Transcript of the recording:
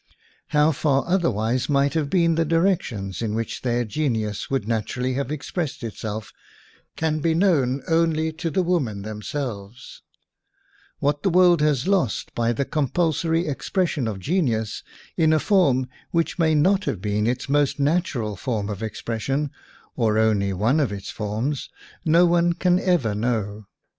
How far otherwise might have been the direc tions in which their genius would nat urally have expressed itself can be known only to the women themselves; what the world has lost by that compul sory expression of genius, in a form which may not have been its most nat ural form of expression, or only one of its forms, no one can ever know.